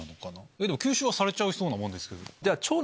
でも吸収はされちゃいそうなもんですけど。